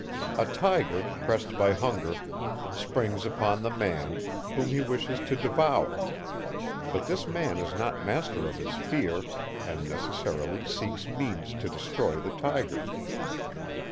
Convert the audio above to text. A tiger, pressed by hunger, springs upon the man, whom he wishes to devour; but this man is not master of his fear, and necessarily seeks means to destroy the tiger.